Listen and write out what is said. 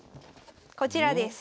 こちらです。